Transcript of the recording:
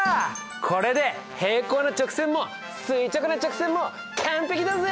これで平行な直線も垂直な直線も完璧だぜ！